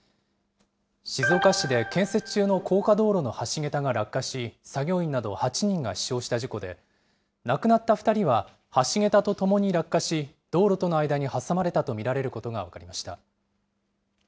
静岡市で建設中の高架道路の橋桁が落下し、作業員など８人が死傷した事故で、亡くなった２人は、橋桁と共に落下し、道路との間に挟まれたと見られることが分かりました。